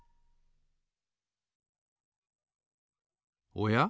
おや？